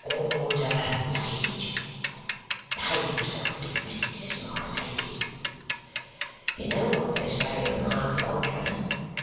"Order, Lady Jane! Behave yourself to visitors, my lady! You know what they say of my lodger?"